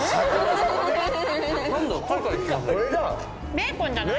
ベーコンじゃない？